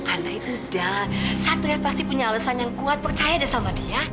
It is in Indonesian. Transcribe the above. andai udah sadria pasti punya alasan yang kuat percaya sama dia